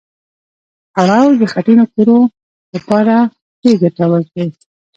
پلوړ د خټینو کورو لپاره ډېر ګټور دي